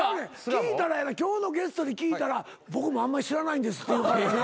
聞いたらやな今日のゲストに聞いたら「僕もあんまり知らないんです」って言うからやな。